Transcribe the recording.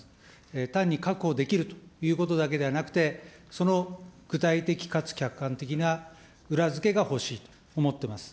単に確保できるということだけではなくて、その具体的かつ客観的な裏付けが欲しいと思ってます。